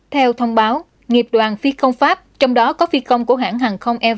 theo thông báo nghiệp đoàn phi công pháp trong đó có phi công của hãng hàng không evf